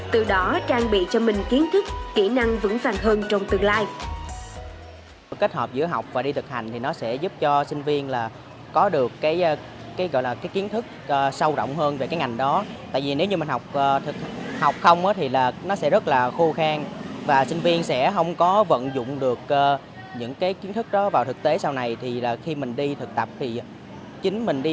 từ đó trang bị cho mình kiến thức kỹ năng vững vàng hơn trong tương lai